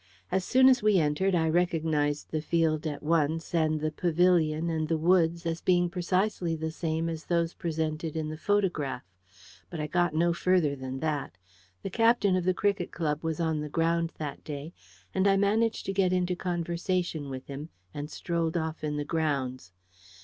As soon as we entered, I recognised the field at once, and the pavilion, and the woods, as being precisely the same as those presented in the photograph. But I got no further than that. The captain of the cricket club was on the ground that day, and I managed to get into conversation with him, and strolled off in the grounds.